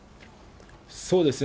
そうですね。